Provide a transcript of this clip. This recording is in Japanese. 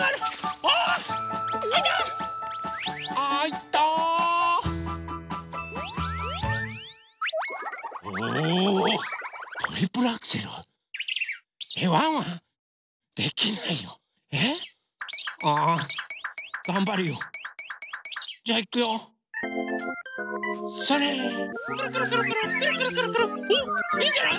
おっいいんじゃない？